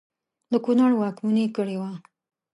د کنړ واکمني کړې وه.